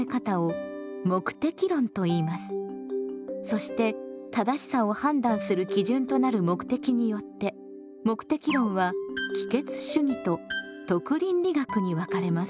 そして「正しさ」を判断する基準となる目的によって目的論は帰結主義と徳倫理学に分かれます。